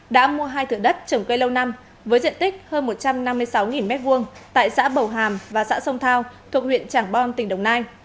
đã mua hai thửa đất trồng cây lâu năm với diện tích hơn một trăm năm mươi sáu m hai tại xã bầu hàm và xã sông thao thuộc huyện trảng bom tỉnh đồng nai